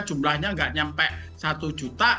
jumlahnya nggak nyampe satu juta